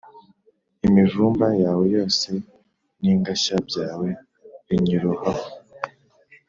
imivumba yawe yose n’ingashya byawe binyirohaho.